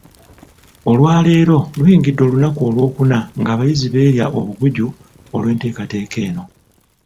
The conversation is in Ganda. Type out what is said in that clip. Olwaleero, luyingidde olunaku Olwokuna ng'abayizi beerya obuguju olw'enteekateeka eno.